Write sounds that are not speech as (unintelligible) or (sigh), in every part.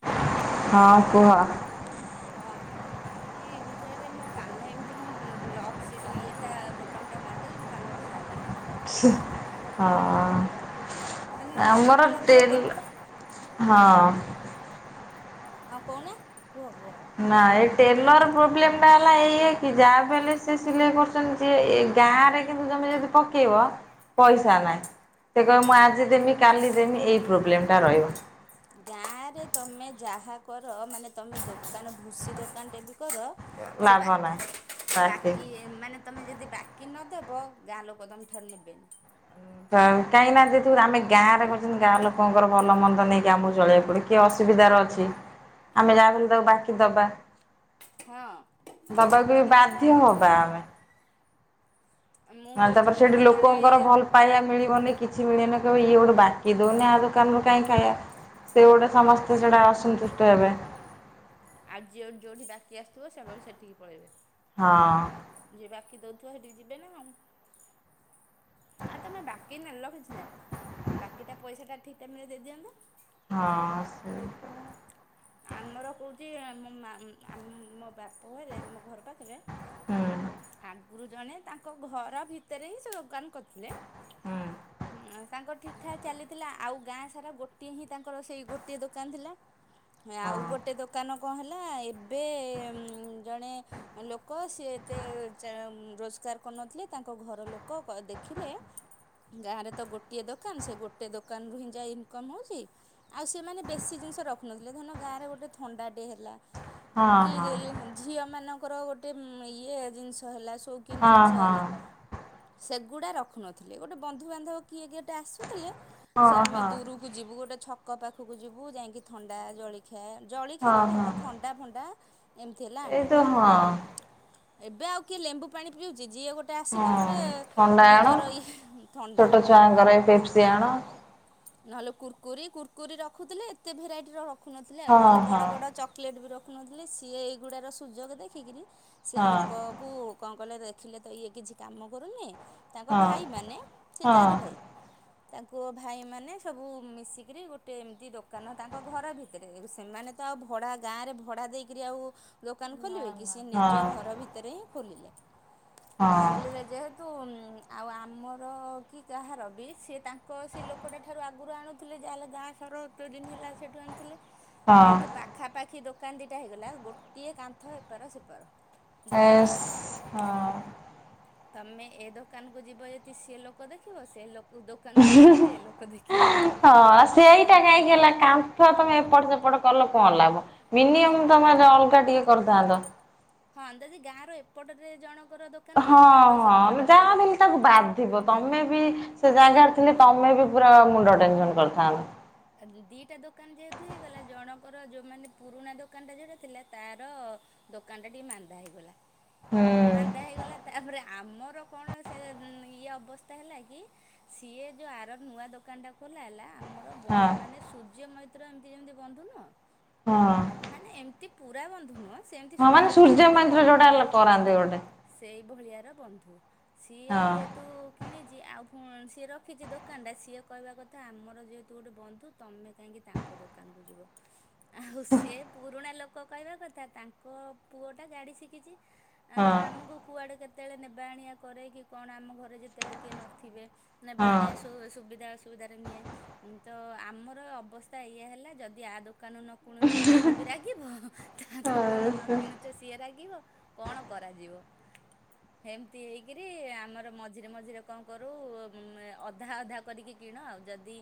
Hello. ହଁ କୁହ। ହଁ ହଁ। ଏ ଭିଡୁଓରେ ମୋ କାନ ଏମିତି ମୁଁ ବ୍ଲ ଲକ୍ ସି ଯୋଉ ଇଏଟା ବଟମ ଟା ମାରିଦେଲି ମୋ କାନ ଭାଏ କିନା ହେଇ ସେ ମାନେ ହଁ ନଥିବ ଆମର ନଥିବ ଟେଲ ଗୋଟେ ହଁ। ଆଉ କହୁନ କୁହ କୁହ। ନା ଏ ଟେଲର ପ୍ରୋବ୍ଲେମ ଟା ହେଲା ଏଇଆ କି ଯାହା କୁ ହେଲେ ସେ ସିଲେଇ କରୁଛନ୍ତି। ହେ ଏ ଗାଁ ରେ କିନ୍ତୁ ତମେ ଯଦି ପକେଇବ ପଇସା ହୁଁ ନାହିଁ ସେ କହିବ ମୁଁ ଆଜି ଦେମି କାଲି ଦେମି ଏଇ ପ୍ରୋବ୍ଲେଟା ରହିବ। ଗାଁରେ ତମେ ଯାହା କର ମାନେ ତମେ ଦୋକାନ ଭୁସି ଦୋକାନଟେ ବି କର ସେ ଲାଭ ବାକି ନାହିଁ ବାକି ମାନେ ତମେ ଯଦି ବାକି ନଦବ ଗାଁ ଲୋକ ତମଠାରୁ ନେବେନି। ହଁ କାହିଁକି ନା ଯେହେତୁର ଆମେ ଗାଁରେ କରୁଛନ୍ତି ଗାଁ ଲୋକଙ୍କର ଭଲ ମନ୍ଦ ନେଇକି ଆମକୁ ଚଳିବାକୁ ପଡିବ। କିଏ ଅସୁବିଧାରେ ଅଛି ଆ ମେ ଯାହା ବି ହେଲେ ତାକୁ ବାକି ଦବା। ହଁ ଦେବାକୁ ଦବାକୁ ବି ପଡ଼ିବ ତ ଆଉ ବାଧ୍ୟ ହବା ଆମେ। ମୁଁ ତାହାଲେ କହୁଛି ତାପରେ ମୋର ସେଠି ଜଣେ ଲୋକଙ୍କର ଭଲ ପାଇବା ମିଳିବନି। କିଛି ମିଳିବନି କହିବେ ଇଏ ଗୋଟେ ବାକି ଦଉନି ଆ ଦୋକାନରୁ କାଇଁ ଖାଇଆ। ସେ ଗୋଡ଼େ ସମସ୍ତେ ସେଡା ଅସନ୍ତୁଷ୍ଟ ହେବେ। ଆଉ ଯିଏ ଯୋଉଠି ବାକି ଆସୁଥିବ ସେମାନେ ସେଠିକି ପଳେଇବେ। ହଁ। ଯିଏ ବାକି ଦଉଥିବ ହେଠିକି ଯିବେ ନା ଆମ୍ ଆର ତମେ ବାକି ନେଲ କିଛି ନାଇଁ ବାକିଟା ପଇସାଟା ଠିକ୍ ଟାଇମିରେ ଦେଇଦିଅନ୍ତ। ହଁ ସେଇଟା। ଆମର କହୁଚି ମୋ ମା ମ୍‌ ଆମ୍ ମୋ ବାପ ଘରେ ଆମ ଘର ପାଖ ରେ ହୁଁ ଆଗରୁ ଜଣେ ତାଙ୍କ ଘର ଭିତରେ ହିଁ ସେ ଦୋକାନ କରିଥିଲେ ହୁଁ ତାଙ୍କର ଠିକ୍‌ ଠାକ୍ ଚାଲିଥିଲା ଆଉ ଗାଁ ସାରା ଗୋଟିଏ ହିଁ ତାଙ୍କର ସେଇ ଗୋଟିଏ ଦୋକାନ ଥିଲା। ହେ ହଁ ଆଉ ଗୋଟେ ଦୋକାନ କଁ ହେଲା ଏବେ ଜଣେ ଲୋକ ସିଏ ଏତେ ରୋଜା ରୋଜଗାର କରୁନଥିଲେ ତାଙ୍କ ଘର ଲୋକ କ ଦେଖିଲେ ଗାଁରେ ତ ଗୋଟିଏ ଦୋକାନ ସେ ଗୋଟେ ଦୋକାନରୁ ହିଁ ଯାଇ ଇନକମ୍ ହଉଚି। ଆଉ ସେମାନେ ବେଶୀ ଜିନିଷ ରଖୁନାହାନ୍ତି। ଲେ ଧନ ଗାଁରେ ଗୋଟେ ଥଣ୍ଡା ଟେ ହେଲା ହଁ କି ହଁ ରେଲ୍‌ ଝିଅ ମାନଙ୍କର ଗୋଟ ଟେ ଇଏ ଜିନିଷ ହେଲା ଶୌକୀନି ହଁ ଜିନିଷ ହଁ ହେଲା ସେଗୁଡା ରଖୁନଥିଲେ ଗୋଟେ ବନ୍ଧୁବାନ୍ଧବ କିଏ ଗେଟେ ଆସୁଥିଲେ ହଁ ସେ ଆମେ ହଁ ଦୂରୁ କୁ ଯିବୁ ଗୋଟେ ଛକ ପାଖକୁ ଯିବୁ ଯାଇଁକି ଥଣ୍ଡା ଜଳିଖିଆ ଜଳିଖିଆ ହଁ ତ ଛାଡ ହଁ ଥନ୍‌ ଥଣ୍ଡା ଫଣ୍ଡା ଏମିତି ହେଲେ ଏଇ ଆଣିବୁ। ତ ହଁ ଏବେ ଆଉ କିଏ ଲେମ୍ବୁ ପାଣି ପିଉଚି ଯିଏ ଗୋଟେ ଟେ ଆସିଲେ ହଁ ଗୋଟେ ଥଣ୍ଡା ଆଣ ନିଜର ଇଏ ଥଣ୍ଡା। ଛୋଟ ଛୁଆଙ୍କର ଏ ପେପ୍ସି ଆଣ ନହେଲେ କୁୁରକୁରୀ କୁରକୁରୀ ରଖୁଥିଲେ ଏତେ ଭେରାଇଟିର ରଖୁନଥିଲେ ଆଉ ହଁ ନହେଲେ ହଁ ବଡ ବଡ ଚକ୍ କ୍ଲେଟେ ବି ରଖୁନଥିଲେ ସିଏ ଏଇଗୁଡ଼ାର ସୁଯୋଗ ଦେଖିକିରି ସେ ହଁ ଲୋକ କୁ କଣ କଲେ ଦେଖିଲେ ତ ଇଏ କିଛି କାମ କରୁନି ତାଙ୍କ ହଁ ଭାଇମାନେ ସେ ହଁ ଚାରି ଭାଇ। ତାଙ୍କୁ ଭାଇ ମାନେ ସବୁ ମିଶିକିରି ଗୋଟେ ଏମିତି ଦୋକାନ ତାଙ୍କ୍ ଙ୍କ ଘର ଭିତରେ ସେମାନେ ତ ଆଉ ଭଡା ଗାଁ ରେ ଭଡା ଦେଇକିରି ଆଉ ଦୋକାନ ନା ଖୋଲିବେ କି ସି ନା ନିଜ ଘର ଭିତରେ ହିଁ ଖୋଲିଲେ ହଁ ହଁ ଖୋଲିଲେ ଯେ ତୁ ଆଉ ଆମର କି କାହାର ବି ସେ ତାଙ୍କ ସେ ଲୋକଟା ଠାରୁ ଆଗରୁ ଆଣୁ ଥିଲେ ଯାହା ହେଲେ ଗାଁ ଠାରୁ ଏତେଦିନି ହେଲା ସେଠୁ ଆଣିଥିଲେ ହଁ ଯେତ ପାଖାପାଖି ଦୋକାନ ଦିଟା ହେଇଗଲା ଗୋଟିଏ କାନ୍ଥ ଏପାର ସେପାର। ଦୋକାନ ଆସ୍ ହଁ। ତମେ ଏ ଦୋକାନକୁୁ ଯିବ ଯଦି ସିଏ ଲୋକ ଦେଖିବ ସେ ଲୋକ କୋ ଦୋକାନ କୁ ଯିବ ଯଦି ଏ ଲୋକ ଦେଖିବ। କି ହେଲା କାମ ଥଅ ତମେ ଏପଟ ସେପଟ କଲ କଣ ଲାଭ ମିନିଅମ ତମେ ଅଲଗା ଟିକେ କରିଥାନ୍ତ। ହଁ ଯଦି ଗାଁ ର ଏପଟରେ ଜଣଙ୍କର ଦୋ ହଁ ହଁ ଯାହା ଭି ହେଲେ ତାକୁ ବାଧିବ ତମେ ବି ସେ ଜାଗାରେ ଥିଲେ ତମେ ବି ପୁରା ମୁଣ୍ଡ ଟେନସନ୍ କରିଥାନ୍ତ। ଦିଇଟା ଦୋକାନ ଯେହେତୁ ହେଇଗଲା ଜଣଙ୍କର ଯେଉଁମାନେ ପୁରୁଣା ଦୋକାନଟା ଯେଉଁଟା ଥିଲା ତାର ଦୋକାନ ଟା ଟିକେ ମାନ୍ଦା ହେଇଗଲା ହୁଁ ମାନ୍ଦା ହେଇଗଲା ତାପରେ ଆମର କଣ ସେ ଇଏ ଅବସ୍ଥା ହେଲା କି ସିଏ ଯୋଉ ଆର ନୂଆ ଦୋକାନ ଟା ଖୋଲା ହେଲା ଆମ ହଁ। ହଁ ବଁ ମାନେ ସୂର୍ଯ୍ୟ ମୈତ୍ର ଏମତି ଯେମତି ବନ୍ଧୁ ନୁହଁ ହଁ ମାନେ ଏମତି ପୁରା ବନ୍ଧୁ ନୁହଁ। ହଁ ମାନେ ସୂର୍ଯ୍ୟ ମଇଁନ୍ତିର ଯୋଉଟା ହେଲେ କରାନ୍ତି ଗୋଟେ। ସେଇଭଳିଆର ବନ୍ଧୁ ସିଏ ହଁ ଯେହେତୁ କିଣିଚି ଆଉ ସିଏ ରଖିଚି ଦୋକାନଟା ସିଏ କହିବା କଥା ଆମର ଯେ ଗୋଟେ ବନ୍ଧୁ ତମେ କାହିଁକି ତାଙ୍କ ଦୋକାନକୁୁ ଯିବ। ଆଉ ସେ ପୁରୁଣା ଲୋକ କହିବା କଥା ତାଙ୍କ ପୁଅ ଟା ଗାଡି ଶିକିଚି ଆଁ ତ ହଁ। ଆମକୁ କୁଆଡ଼େ କେତେବେଳେ ନେବା ଆଣିବା କରେ କି କଣ ଆମ ଘରେ ଯେତେବେଳେ କିଏ ନଥିବେ ନେବା ହଁ ଆଣିଆ ସୋ‌ ସୁବିଧା ଅସୁବିଧାରେ ନିଏ। ତ ଆମର ଅବସ୍ଥା ଏଇଆ ହେଲା ଯଦି ଆ ଦୋକାନରୁ ନ କୁଣୁଚ ସିଏ ବି ରାଗିବ ତା ହଁ ଦୋକାନରୁ ନ କିଣୁଚ ସିଏ ରାଗିବ କଣ କରାଯିବ। ହେମ୍ତି ହେଇକିରି ଆମର ମଝିରେ ମଝିରେ କଣ କରୁ ଅଧା ଅଧା କରିକି କିଣ ଆଉ ଯଦି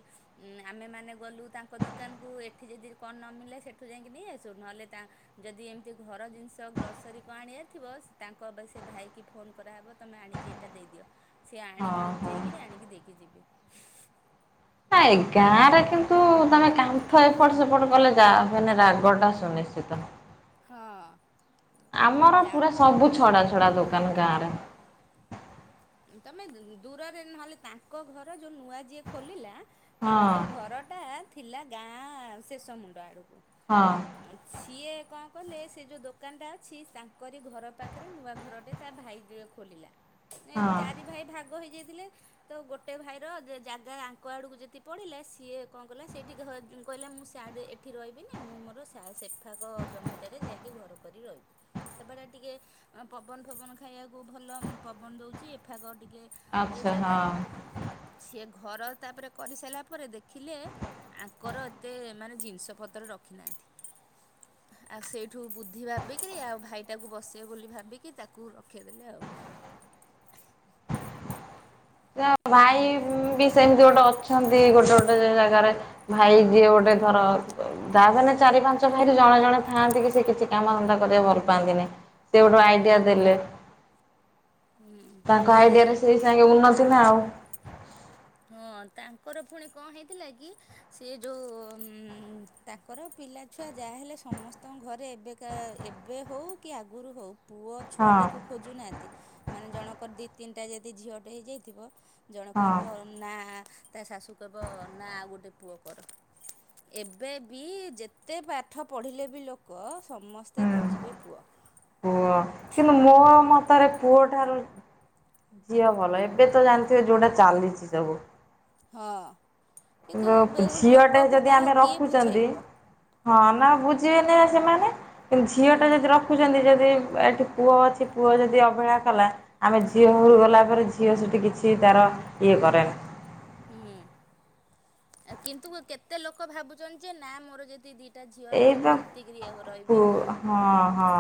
ଆମେମାନେ ଗଲୁ ତାଙ୍କ ଦୋକାନକୁ ଏଠି ଯଦି କଣ ନମିିଳେ ସେଠୁ ଯାଇକି ନେଇ ଆସୁ ନହେଲେ ତା ଯେଦି ଏମ୍ତି ଘର ଜିନିଷ ଗ୍ରସରୀ କ ଆଣିବାର ଥିବ ତାଙ୍କ ଅବା ସେ ଭାଇ କି ଫୋନ କରାହବ ତମେ ଆଣିକି ଏଇଟା ଦେଇଦିଅ ସିଏ ଆଣିକି ହଁ। ଲୁଚେଇକିରି ଆଣିକି ଦେଇକି ଯିବେ। ହାଏ ଗାଁ ରେ କିନ୍ତୁ ତମେ କାଁ ଥା ଏପଟ ସେପଟ କଲେ ଯାହା ହେନେ ରାଗଟା ସୁନିଶ୍ଚିତ। ହଁ। ଆମର ଯା ପୁରା ସବୁ ଛଡା ଛଡା ଦୋକାନ ଗାଁରେ ତମେ ଦୂରରେ ନହେଲେ ତାଙ୍କ ଘର ଯୋଉ ନୂଆ ଯିଏ ଖୋଲିଲା ହଁ ତାଙ୍କ ଘରଟା ଥିଲା ଗାଁ ଆଁ ଶେଷ ମୁଣ୍ଡ ଆଡ଼କୁ ହଁ। ସିଏ କଣ କଲେ ସେ ଯୋଉଁ ଦୋକାନଟା ଅଛି ତାଙ୍କରି ଘର ପାଖରେ ନୂଆ ଘରଟେ ତା ଭାଇ ଖୋଲିଲା ହଁ ଚାରି ଭାଇ ଭାଗ ହେଇଯାଇଥିଲେ। ତ ଗୋଟେ ଭାଇର ଜେ ଜାଗା ଆଙ୍କ ଆଡକୁ ଯେଦି ପଡିଲା ସିଏ କଣ କଲା ସେଠି ଘ କହିଲା ମୁଁ ସିଆଡେ ଏ ଠି ରହିବିନି ମୁଁ ମୋର ସିଆ ସେଫାକ ଜମିଟାରେ ଯାଇକି ଘର କରି ରହିବି। ସେପଟ ଟିକେ ଅ ପବନ ଫବନ ଖାଇବାକୁ ଭଲ ପବନ ଦଉଛି ଏଫାଗ ଟିକେ ଇଏ ଆଚ୍ଛା ଜାଗା। ହଁ ସିଏ ଘର ତାପରେ କରିସାଇଲା ପରେ ଦେଖିଲେ ଆଙ୍କର ଏତେ ମାନେ ଜିନିଷ ପତ୍ର ରଖିନାହାନ୍ତି। ଆଉ ସେଇଠୁ ବୁଦ୍ଧି ଭାବିକିରି ଆଉ ଭାଇଟାକୁ ବସେଇ ବୋଲି ଭାବିକି ତାକୁ ରଖେଇଦେଲେ ଆଉ। ଯ ଏଇ ଭାଇ ଧନ୍ଦା ବି ସେମିତି ଗୋଟେ ଅଛନ୍ତି ଗୋଟେ ଗୋଟେ ଜାଗାରେ। ଭାଇ ଯିଏ ଗୋଟେ ଧର ଦାବିନେ ଚାରି ପାଞ୍ଚ ଭାଇରେ ଜଣେ ଜଣେ ଥାଆନ୍ତି କି ସେ କିଛି କାମ ଧନ୍ଦା କରିବାକୁ ଭଲ ପାଆନ୍ତିନେଇ। ସିଏ ଗୋଟେ ହୁଁ ଆଇଡିଆ ଦେଲେ ହୁଁ ତାଙ୍କ ସିଏ ଆଇଡିଆରେ ସେଇ ସାଙ୍ଗେ ଉନ୍ନ ତି ନା ଆଉ। ହଁ ତାଙ୍କର ପୁଣି କଣ ହେଇଥିଲା କି ସେ ଯୋଉ ଉଁ ତାଙ୍କର ପିଲା ଛୁଆ ଯାହା ହେଲେ ସମସ୍ତଙ୍କ ଘରେ ଏବେକା ଏବେ ହେଉ କି ଆଗରୁ ହେଉ ପୁଅ ହଁ ଛୁଆଟାକୁ ଖୋଜୁନାହାଁନ୍ତି ମାନେ ଜଣଙ୍କର ଦି ତିନିଟା ଯଦି ଝିଅଟେ ହେଇଯାଇଥିବ ଜଣେ ହଁ କହିବ ନା ତା ଶାଶୁ କହବ ନା ଆଉ ଗୋଟେ ପୁଅ କର। ଏବେ ବି ଯେତେ ପାଠ ପଢ଼ିଲେ ବି ଲୋକ ସମସ୍ତେ ହୁଁ ଖୋଜିବେ ପୁଅ। ପୁଅ କିନ୍ତୁ ମୋ ମତରେ ପୁଅ ଠାରୁ ଝିଅ ଭଲ ଏବେ ତ ଜାଣିଥିବେ ଯୋଉଟା ଚାଲିଛି ସବୁ। ହଁ କିନ୍ତୁ ବେହୁ ଝିଅଟେ ଲୋକକୁ ଯଦି କାହା ଆମେ କିଏ ରଖୁଛନ୍ତି ବୁଝେଇବ। ହଁ ନା ବୁଝିବେନି ବା ସେମାନେ କିନ୍ତୁ ଝିଅ ଟା ଯଦି ରଖ ଦେଖୁଛନ୍ତି ଯଦି ଅ ଏଠି ପୁଅ ଅଛି ପୁଅ ଯଦି ଅବହେଳା କଲା ଆମେ ଝିଅ ହରୁ ଗଲା ଧର ଝିଅ ସେଠି କିଛି ତାର ଇଏ କରେ। ହୁଁ ଆ କିନ୍ତୁ କେତେ ଲୋକ ଭାବୁଛନ୍ତି ଯେ ନା ମୋର ଯଦି ଦି ଟା ଝିଅ ହେଇଛି ମୁଁ ଏଇବା ସେତିକି (unintelligible) ପୁ ରହିବି। ହଁ ହଁ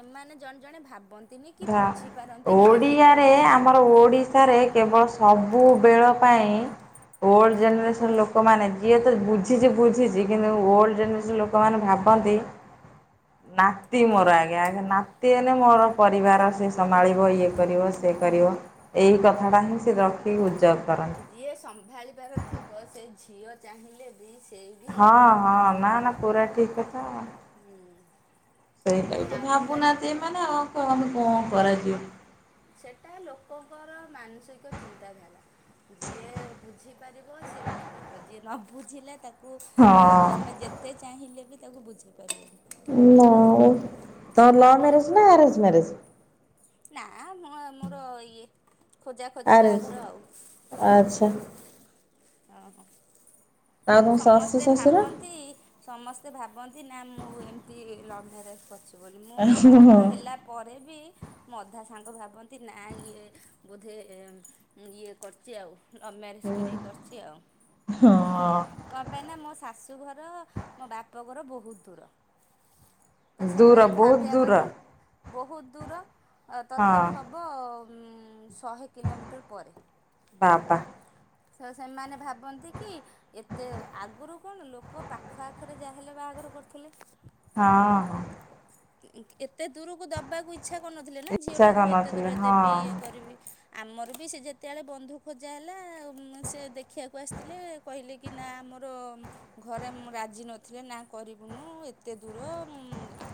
ଏମାନେ ଜଣେ ଜଣେ ଭାବନ୍ତିନି କି ଧା ବୁଝିପାରନ୍ତି ବି କି ଓଡ଼ିଆରେ କଣ। ଆମର ଓଡ଼ିଶାରେ କେବଳ ସବୁବେଳ ପାଇଁ ଓଲ୍ଡ ଜେନେରେସନ୍ ଲୋକମାନେ ଯିଏ ତ ବୁଝିଛି ବୁଝିଛି କିନ୍ତୁ ଓଲ୍ଡ ଜେନେରେସନ୍ ଲୋ କମାନେ ଭାବନ୍ତି ନାତି ମୋର ଆଜ୍ଞା ଆଜ୍ଞା ନାତି ହେଲେ ମୋର ପରିବାର ସେ ସମାଳିବ ଇଏ କରିବ ସେ କରିବ। ଏଇ କଥା ଟା ହିଁ ସେ ରଖିକି ଗୁଜବ କର ଯିଏ ସମ୍ଭାଳିବାର ଥିବ ସେ ଝିଅ ଚାହିଁଲେ ବି ସେଇ ବି ହଁ ସମ୍ଭାଳି ହଁ ପାରିବ। ନା ନା ପୁରା ଠିକ୍ କଥା। ସେଇଟା ବି କାହିଁ ତ ଆଜିକାଲି ବି ଭାବୁନାହାନ୍ତି ମୁଁ ଏମାନେ ଆଉ (unintelligible) କଣ କରାଯିବ? ସେଟା ଲୋକଙ୍କର ମାନସିକ ଚିନ୍ତାଧାରା ଯିଏ ବୁଝି ପାରିବ ସେ ବୁଝି ପାରିବ ଯିଏ ନ ବୁଝିଲା ତାକୁ ଆ ହଁ। ତମେ ଯେ ତେ ଚାହିଁଲେ ବି ତାକୁ ବୁଝେଇ ପାରିବେନି। ତର ଲଭ ମ୍ୟାରେଜ ନା ଆରେଞ୍ଜ ମ୍ୟାରେଜ? ନା ମୁଁ ଆମୋର ଇଏ। ଖୋଜା ଖୋଜିି ଆରେଞ୍ଜ ବାହାଘର ଆଉ ଆଚ୍ଛା ଅ ହଁ। ଆଉ କିନ୍ତୁ ତମ ଶାଶୁ ସମସ୍ତେ ଶ୍ୱଶୁର? ଭାବନ୍ତି ସମସ୍ତେ ଭାବନ୍ତି ନା ମୁଁ ଏମିତି ଲଭ୍ ମ୍ୟାରେଜ୍ କରିଛି ବୋଲି ମୁଁ ତ ବାହାଘର ହେଲା ପରେ ବି ମୋ ଅଧା ସାଙ୍ଗ ଭାବନ୍ତି ନା ଇଏ ବୋଧେ ଏମ୍ ଉଁ ଇଏ କରିଛି ଆଉ। ଲଭ୍ ମ୍ୟାରେଜ୍ କରିକି କରିଛି ଆଉ। ହଁ କଣ ପାଇଁ ନା ମୋ ଶାଶୁଘର ମୋ ବାପ ଘର ବୋହୁତ ଦୂର। ତ ଦୂର ସେମାନେ ବହୁତ ଭାବିବା ଦୂର କଥା ବୋହୁତ ଦୂର ହଁ ତଥାପି ଉଁ ହବ ଶହେ କିଲୋମିଟର ପରେ ବାବା ସ ସେମାନେ ଭାବନ୍ତି କି ଏତେ ଆଗରୁ କଣ ଲୋକ ପାଖ ଆଖରେ ଯାହାହେଲେ ବାହାଘର କରୁଥିଲେ। ହଁ ହଁ। ଏତେ ଦୂରକୁ ଦବାକୁ ଇ ଚ୍ଛା କରୁନଥିଲେ ନା ଇଚ୍ଛା ଝିଅଟାକୁ ମୁଁ ଏତେ କରିନଥିଲେ ଦୂର ଦେବି ହଁ। ଇଏ କରିବି। ଆମର ବି ସେ ଯେତେବେଳେ ବନ୍ଧୁ ଖୋଜା ହେଲା ମୁଁ ସେ ଦେଖିବାକୁ ଆସିଥିଲେ କହିଲେ କି ନା ଆମର ଘରେ ରାଜି ମ୍ ନଥିଲେ ନା କରିବୁନୁ ଏତେ ଦୂର ମୁଁ ଆ।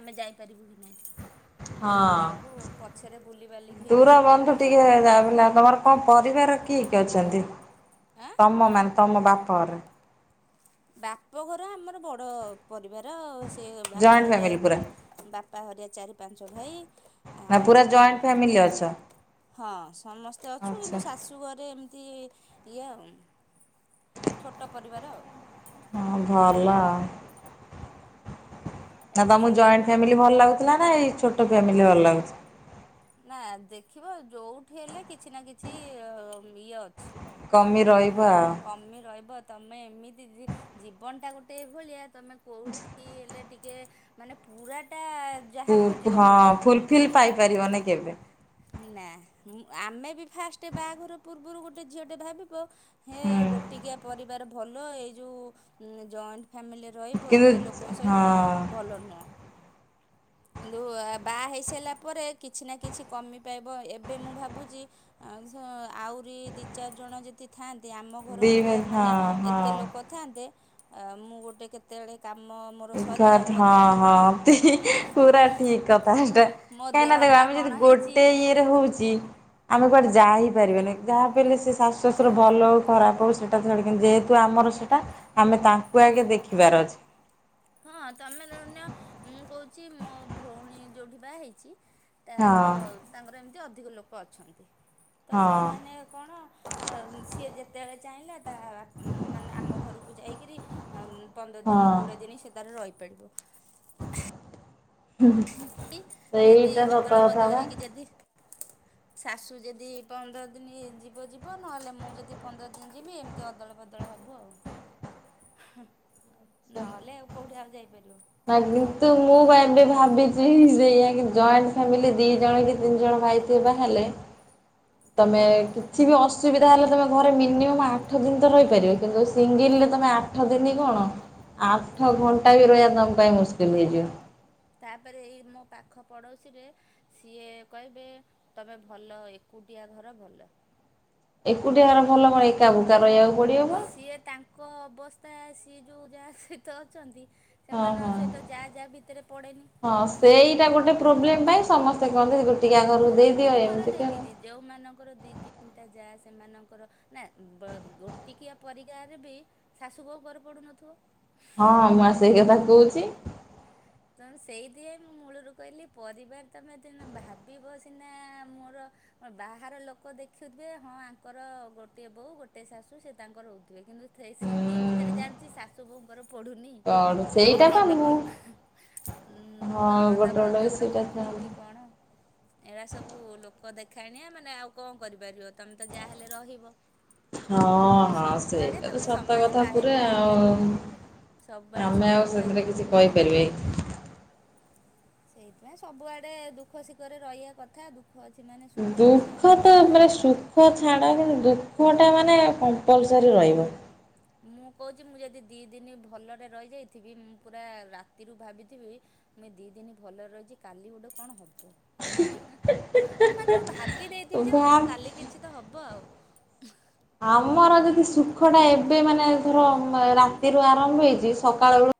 ଆମେ ଯାଇପାରିବୁ କି ନାଇଁ। ହଁ ଦେଖିଲାଉକୁ ପଛରେ ବୁଲିବାଲିକି ହେଇକି ସେଇଠିକି ହେଲା। (unintelligible) ତମ ପରିବାର କିଏ କିଏ ଅଛନ୍ତି ଆଁ। ତମ ମାନେ ତମ ବାପ ଘର? ବାପଘର ଆମର ବଡ଼ ପରିବାର ସେ ବାପା ଜଏଣ୍ଟ ହରିଆ ଫ୍ୟାମିଲି ପୁରା ଚା ବାପା ହରିଆ ଚାରି ପାଞ୍ଚ ଭାଇ। ନା ପୁରା ଆଉ ଜଏଣ୍ଟ ଫ୍ୟାମିଲି ଅଛ? ହଁ ସମସ୍ତେ ଅଛୁ ଆଚ୍ଛା କିନ୍ତୁ ଶାଶୁ ଘରେ ଏମିତି ଇଏ ଆଉ। ଛୋଟ ପରିବାର ଆଉ। ହଁ ଭଲ ନା ଏଇଟା ତମକୁ ସେଇଠୁ ଜଏଣ୍ଟ ଫ୍ୟାମିଲି ଭଲ ଲାଗୁ ଥିଲା ନା ଏଇ ଛୋଟ ଫ୍ୟାମିଲି ଭଲ ଲାଗୁଛି? ନା ଦେଖିବ ଯୋଉଠି ହେଲେ କିଛି ନା କିଛି ଅ ଇଏ ଅଛି। କମି ରହିବ ଆଉ। (unintelligible) କମି ରହିବତ୍। ତମେ ଏମିତି ଜୀ-ଜୀବନ ଟା ଗୋଟେ ଏଇ ଭଳିଆ ତମେ କୋଉଠି ହେଲେ ଟି କେ ମାନେ ପୁରାଟା ଯାହା ପୁପ୍ ଖୋଜିବ ହଁ ମିଳିବନି। ଫୁଲଫିଲ୍ ପାଇପାରିବନି କେବେ। ନା ମୁ ଆମେ ବି ଫାଷ୍ଟ ବାହାଘର ପୂର୍ବରୁ ଗୋଟେ ଝିଅ ଟେ ଭାବୁ ତୁଅ ହେ ହୁଁ। ଗୋଟିକିଆ ପରିବାର ଭଲ ଏଇ ଯୋଉ ଉଁ ଜଏଣ୍ଟ ଫାମିଲି ରହିବ କିନ୍ତୁ ଏତେ ଲୋକ ହଁ ସହିତ ଭଲ ନୁହଁ। କିନ୍ତୁ ବାହା ହେଇସାରିଲା ପରେ କିଛି ନା କିଛି କମି ପାଇବ ଏବେ ମୁଁ ଭାବୁଚି ଆଉସ ଆହୁରି ଦି ଚାରି ଜଣ ଯେ ତି ଥାନ୍ତି ଆମ ଘର ଦି ଭଳିଆ ହଁ ମାନେ ଏତେ ହଁ। ଲୋକ ଥାନ୍ତେ ଆ ମୁଁ ଗୋଟେ କେତେବେଳେ କାମ ମ ଏ କତ୍ ହଁ ହଁ ତି। ପୁରା ଠିକ୍ କଥା ଏଟା ମୋ କାହିଁନା ଦେହ ଦେଖ ପା ଆମେ କଣ ଯଦି ହେଇଛି ଗୋଟେ ଇଏରେ ହଉଛି ଆମେ କୁଆଡେ ଯାହିଇ ପାରିବାନି ଯାହା ହେଲେ ସେ ଶାଶୁ ଶ୍ୱଶୁର ଭଲ ହଉ ଖରାପ ହଉ ସେଠ୍ (unintelligible) ଯେହେତୁ ଆମର ସେଇଟା ଆମେ ତାଙ୍କୁ ଆଗେ ଦେଖିବାର ଅଛି। ହଁ ତମେ ନନ୍ୟ ମୁଁ କହୁଛି ମୋ ଭଉଣୀ ଯୋଉଠି ବା ହେଇଛି ତା ର ହଁ ତାଙ୍କର ଏମିତି ଅଧିକ ଲୋକ ଅଛନ୍ତି ତ ହଁ ସେମାନେ କଣ ଅ ସିଏ ଯେତେବେଳେ ଚାହିଁଲା ତା ମାନେ ଆମ ଘରକୁ ଯାଇକିରି ଆମ୍ ପନ୍ଦର ଦିନି ହଁ କୋଡ଼ିଏ ଦିନି ସେ ତାରେ ରହିପାରିବ। (unintelligible) ଯଦି ସେଇଟା ସତ ଅଦଳ କଥା ବଦଳ ବା। ହେଇକି ଯଦି ଶାଶୁ ଯଦି ପନ୍ଦର ଦିନି ଯିବ ଯିବ ନହେଲେ ମୁଁ ଯଦି ପନ୍ଦର ଦିନ ଯିବି ଏମ୍ ତି ଅଦଳ ବଦଳ ହବୁ ଆଉ ହଁ ନହେଲେ ଆଉ କୋଉଠି ଆଉ ଯାଇପାରିବ। ତା କିନ୍ତୁ ମୁଁ ବା ଏବେ ଭାବିଛି ସେଇଆ କିନ୍ ଜଏଣ୍ଟ ଫାମିଲି ଦି ଜଣ ଲି ତିନି ଜଣ ଭାଇ ଥିବେ ବା ହେଲେ ତମେ ହୁଁ। କିଛି ବି ଅସୁବିଧା ହେଲେ ତୁମେ ଘରେ ମିନିମମ୍ ଆଠ ଦିନ ତ ରହିପାରିବ କିନ୍ତୁ ସିଙ୍ଗିଲ୍ ରେ ତୁମେ ଆଠ ଦିନି କଣ ଆଠ ଘଣ୍ଟା ବି ରହିବା ତମ ପାଇ ମୁସ୍କିଲ୍ ହେଇଯିବ। ତାପରେ ଏଇ ମୋ ପାଖ ପଡ଼ୋଶୀରେ ସିଏ କହିବେ ତମେ ଭଲ ଏକୁଟିଆ ଘର ଭଲ। ଏକୁଟି ହାର ଭଲ କଣ ଏକା ବୋକା ରହିବାକୁ ପଡ଼ିବ ପା। ଇଏ ତାଙ୍କ ଙ୍କ ଅବସ୍ଥା ସିଏ ଯୋଉ ଯାହା ସହିତ ଅଛନ୍ତି। ହଁ ହଁ। ସେମାନଙ୍କ ସହିତ ଯା ଯା ଭିତରେ ପଡ଼େନି। ହଁ ସେଇଟା ଗୋଟେ ପ୍ରୋବ୍ଲେମ ପାଇଁ ସମସ୍ତେ କହନ୍ତି ଗୋଟି କିୟା ଘରୁକୁ ଦେଇଦିଅ ଏମିତି କର। ଯେଉଁମାନଙ୍କର ଦିଇ ତିନିଟା ଯା ସେମାନଙ୍କର ନା ବ ଗୋଟିକିଆ ପରିକାର ବି ଶାଶୁ ବହୁଙ୍କର ପଡୁନଥିବ? ହଁ ମୁଁ ଆ ସେଇ କଥା କହୁଛି। ତ ସେଇଥିପାଇଁ ମୁଁ ମୂଳରୁ କହିଲି ପରିବାର ତମେ ଦିନ ଭାବିବ ସିନା ମୋର ହ ବାହାର ଲୋକ ଦେଖୁଥିବେ ହଁ ଆଙ୍କର ଗୋଟିଏ ବୋଉ ଗୋଟେ ଶାଶୁ ସେ ତାଙ୍କର ରହୁ ଥିଲେ କିନ୍ତୁ ଥେଇ ଶିକେଇ ହୁଁ ଭିତରେ ଜାଣିଛି ଶାଶୁ ବୋଉଙ୍କର ପଢ଼ୁନି। କଣ କି ସେଇଟା ବା ନଣନ୍ଦ ମୁଁ ଉଁ ହଁ ନଣନ୍ଦ ଗୋଟେ ଗୋଟେ ଭାଉଜକର ସେଇଟା ପଡ଼ୁନି କି ଥାନ୍ତି। କଣ। ଏରା ସବୁ ଲୋକ ଦେଖାଣିଆ ମାନେ ଆଉ କଣ କରିପାରିବ ତମେ ତ ଯାହାହେଲେ ରହିବ। ହଁ ମାନେ ହଁ ସବୁଆଡ଼େ ସେଇଟା ତ ତମେ ସତ ସମାନେ କଥା ପାଇ ପୁରା ପାଇପାରିବନି। ଆଉ। ସବୁଆଡେ ଆମେ ଆଉ ସମାନ ସେଥିରେ କିଛି ପାଇପାରିବନି। କହିପାରିବେ ସେଇଥିପାଇଁ ସବୁଆଡେ ଦୁଃଖ ଶିଖରେ ରହିବା କଥା ଦୁଃ ଖ ଅଛି ମାନେ ସୁଖ ଅଛି ଆଉ ଦୁଃଖ କଣ ତ କର ମାନେ ସୁଖ ସୁଖ ଛାଡ଼ ହେ ଦୁଃଖଟା ମାନେ କମ୍ପଲ୍ ସରି ରହିବ। ମୁଁ କହୁଛି ମୁଁ ଯଦି ଦିଇ ଦିନ ଭଲରେ ରହିଯାଇଥିବି ମୁଁ ପୁରା ରାତିରୁ ଭାବିଥିବି ମୁଇଁ ଦି ଦିନ ଭଲରେ ରହିଛି କାଲି ଗୋଟେ କଣ ହବ ମୁଁ ମାନେ ଭା ଭାବି ଦେଇଥିବି ଯେ ଭାବ ହଁ କାଲି କିଛି ତ ହବ ଆଉ। ଆମର ଯଦି ସୁଖ ଟା ଏବେ ମାନେ ଧର ରାତିରୁ ଆରମ୍ଭ ହେଉଛି ସକାଳ ବେଳୁ